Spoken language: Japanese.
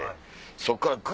そっからガ！